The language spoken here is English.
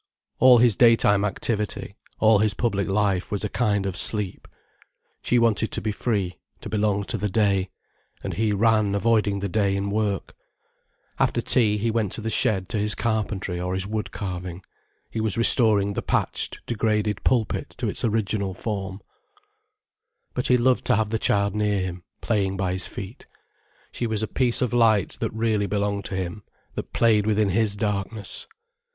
All his daytime activity, all his public life, was a kind of sleep. She wanted to be free, to belong to the day. And he ran avoiding the day in work. After tea, he went to the shed to his carpentry or his woodcarving. He was restoring the patched, degraded pulpit to its original form. But he loved to have the child near him, playing by his feet. She was a piece of light that really belonged to him, that played within his darkness.